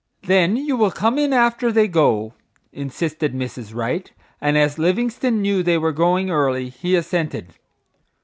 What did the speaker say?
"Then you will come in after they go?" insisted Mrs. Wright, and as Livingstone knew they were going early he assented.